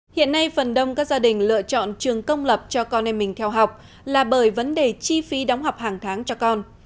hiện nay phần đông các gia đình lựa chọn trường công lập cho con em mình theo học là bởi vấn đề chi phí đóng học hàng tháng cho con